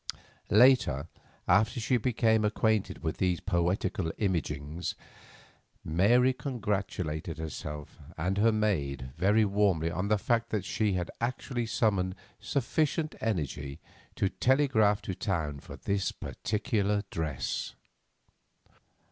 Later, after she became acquainted with these poetical imaginings, Mary congratulated herself and her maid very warmly on the fact that she had actually summoned sufficient energy to telegraph to town for this particular dress.